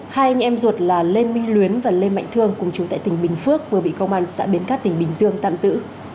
hai anh em ruột là lê minh luyến và lê mạnh thương cùng chú tại tỉnh bình phước vừa bị công an xã biến cát tỉnh bình dương tạm giữ